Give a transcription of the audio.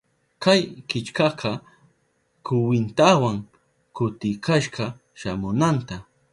Kay killkaka kwintawan kutikashka shamunanta.